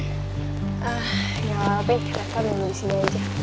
ah yaa tapi kenapa bingung disini aja